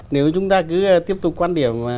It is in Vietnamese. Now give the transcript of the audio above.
nếu chúng ta cứ tiếp tục quan điểm